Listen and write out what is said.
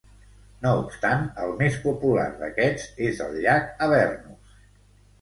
No obstant, el més popular d'aquests és el llac Avernus.